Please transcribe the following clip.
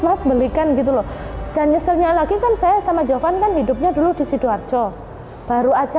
mas belikan gitu loh dan misalnya lagi kan saya sama jawaban hidupnya dulu di situ arjo baru aja